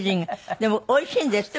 でもおいしいんですって？